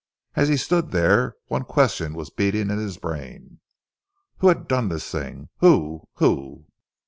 As he stood there one question was beating in his brain. "Who has done this thing? Who? Who?"